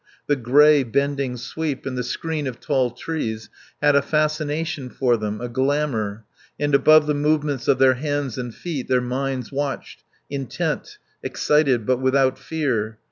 The grey, bending sweep and the screen of tall trees had a fascination for them, a glamour; and above the movements of their hands and feet their minds watched, intent, excited, but without fear.